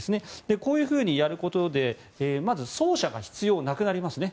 こういうふうにやることでまず、走者が必要なくなりますね。